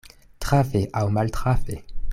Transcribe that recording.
Trafe aŭ maltrafe.